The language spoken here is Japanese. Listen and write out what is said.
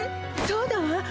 そうだわ。